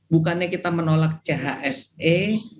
bukannya kita menolak chsi